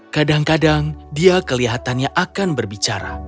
kadang kadang dia kelihatannya akan berbicara